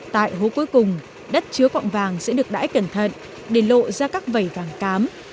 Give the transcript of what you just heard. tại hố cuối cùng đất chứa quạng vàng sẽ được đãi cẩn thận để lộ ra các vẩy vàng cám